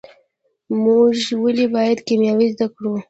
موږ ولې باید کیمیا زده کړو.